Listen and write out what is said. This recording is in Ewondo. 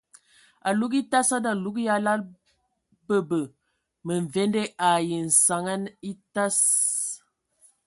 Alug etas a nə alug ya la bəbə məmvende ai nsanəŋa atas.